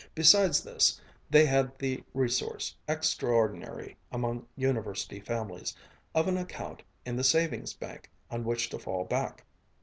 Besides this, they had the resource, extraordinary among University families, of an account in the savings bank on which to fall back.